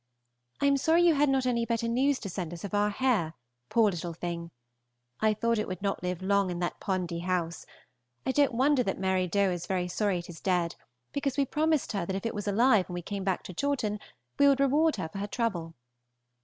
I am sorry you had not any better news to send us of our hare, poor little thing! I thought it would not live long in that Pondy House; I don't wonder that Mary Doe is very sorry it is dead, because we promised her that if it was alive when we came back to Chawton, we would reward her for her trouble.